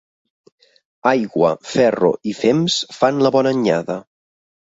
Aigua, ferro i fems fan la bona anyada.